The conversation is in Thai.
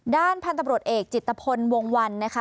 ด้านพันธุ์ตำรวจเอกจิตภพลวงวันนะคะ